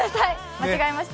間違えました。